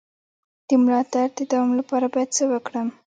د ملا درد د دوام لپاره باید څه وکړم؟